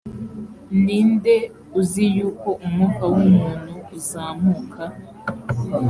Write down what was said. ni nde uzi yuko umwuka w umuntu uzamuka